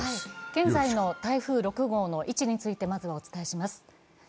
現在の台風６号の位置についてまずはお伝えします。